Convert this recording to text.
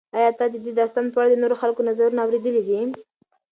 ایا ته د دې داستان په اړه د نورو خلکو نظرونه اورېدلي دي؟